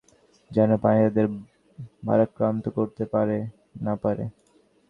যেন পানি তাদের ভারাক্রান্ত করতে না পারে।